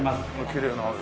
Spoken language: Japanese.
きれいな。